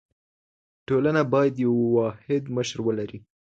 ټولنه باید یو واحد مشر ولري.